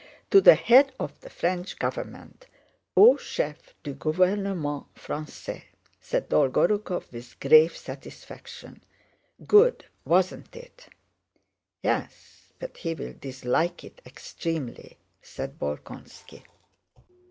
"To the Head of the French Government... Au chef du gouvernement français," said Dolgorúkov, with grave satisfaction. "Good, wasn't it?" "Yes, but he will dislike it extremely," said Bolkónski.